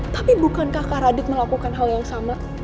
tapi bukan kakak radit melakukan hal yang sama